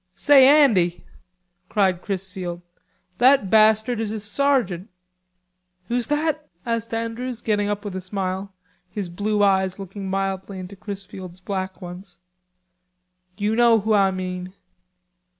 "Say, Andy," cried Chrisfield, "that bastard is a sergeant." "Who's that?" asked Andrews getting up with a smile, his blue eyes looking mildly into Chrisfield's black ones. "You know who Ah mean."